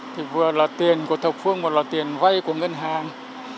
thì vừa là tiền của thập phương vừa là tiền vay của ngân hàng